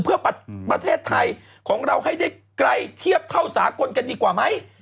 เพื่อประเทศไทยของเราให้ได้ไกลเทียบเท่าสากลกันดีกว่าไหม